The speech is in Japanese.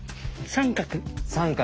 三角。